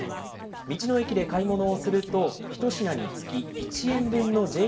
道の駅で買い物をすると、一品につき１円分のＪー